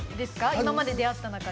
今まで出会った中で。